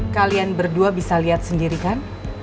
kalian berdua bisa lihat sendiri kan